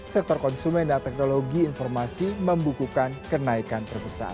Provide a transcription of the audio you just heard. sektor konsumen dan teknologi informasi membukukan kenaikan terbesar